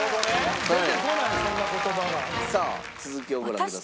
さあ続きをご覧ください。